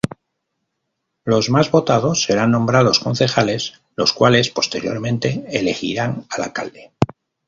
Los más votados serán nombrados concejales, los cuales, posteriormente, elegirán al alcalde.